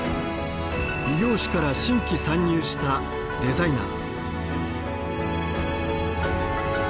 異業種から新規参入したデザイナー。